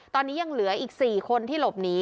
ตอนนี้ยังเหลืออีก๔คนที่หลบหนี